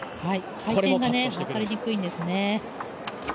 回転が分かりにくいんですね。